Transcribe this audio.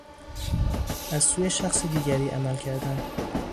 از سوی شخص دیگری عمل کردن